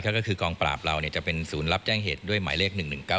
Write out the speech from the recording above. ก็คือกองปราบเราจะเป็นศูนย์รับแจ้งเหตุด้วยหมายเลข๑๑๙๙